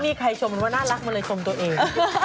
มีใครชมมันว่าน่ารักมาเลยชมตัวเอง